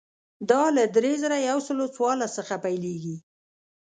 دا له درې زره یو سل څوارلس څخه پیلېږي.